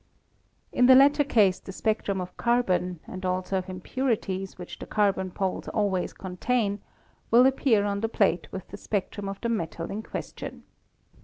In the latter case the spectrum of carbon, and also of impurities which the carbon poles al ways contain, will appear on the plate with the spectrum of the metal in question.